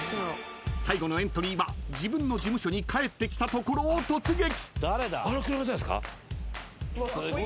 ［最後のエントリーは自分の事務所に帰ってきたところを突撃！］